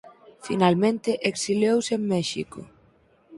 Finalmente exiliouse en México.